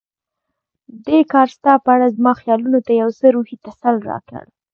دې کار ستا په اړه زما خیالونو ته یو څه روحي تسل راکړ.